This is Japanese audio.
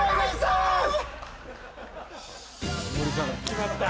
決まった。